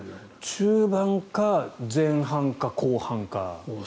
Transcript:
中盤か前半か後半か。